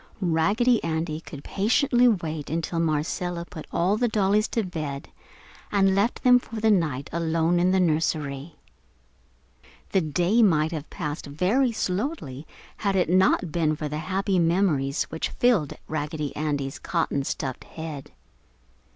Raggedy Andy could patiently wait until Marcella put all the dollies to bed and left them for the night, alone in the nursery. The day might have passed very slowly had it not been for the happy memories which filled Raggedy Andy's cotton stuffed head.